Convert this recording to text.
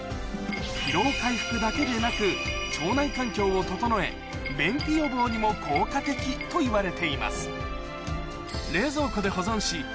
疲労回復だけでなく腸内環境を整え便秘予防にも効果的といわれています